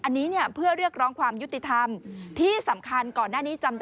อันนี้เนี่ยเพื่อเรียกร้องความยุติธรรม